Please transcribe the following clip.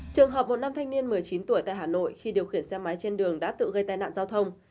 trường hợp một nam thanh niên một mươi chín tuổi tại hà nội khi điều khiển xe máy trên đường đã tự gây tai nạn giao thông